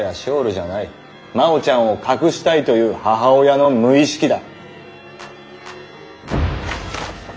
真央ちゃんを隠したいという母親の無意識だ。